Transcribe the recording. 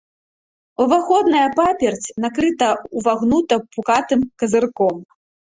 Уваходная паперць накрыта ўвагнута-пукатым казырком.